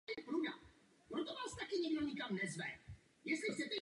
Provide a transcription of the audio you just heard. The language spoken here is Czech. Není to již otázka poskytnutí snadnějšího přístupu k veřejným zakázkám.